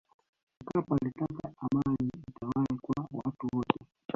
mkapa alitaka amani itawale kwa watu wote